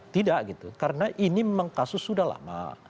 tidak gitu karena ini memang kasus sudah lama